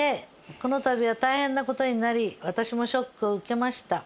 この度は大変な事になり私もショックを受けました。